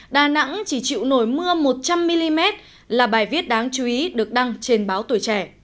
đà nẵng chỉ chịu nổi mưa một trăm linh mm là bài viết đáng chú ý được đăng trên báo tuổi trẻ